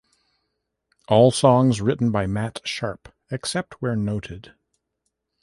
All songs written by Matt Sharp, except where noted.